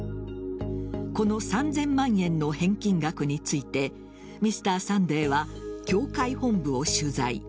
この３０００万円の返金額について「Ｍｒ．サンデー」は教会本部を取材。